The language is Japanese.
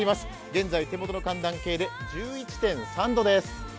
現在、手元の寒暖計で１１．３度です。